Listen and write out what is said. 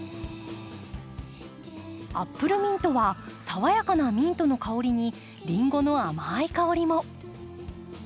アップルミントは爽やかなミントの香りにリンゴの甘い香りも。